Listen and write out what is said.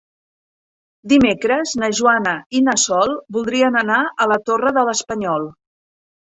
Dimecres na Joana i na Sol voldrien anar a la Torre de l'Espanyol.